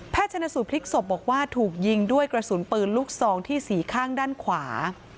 ชนะสูตรพลิกศพบอกว่าถูกยิงด้วยกระสุนปืนลูกซองที่สี่ข้างด้านขวา